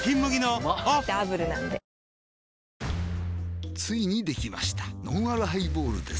うまダブルなんでついにできましたのんあるハイボールです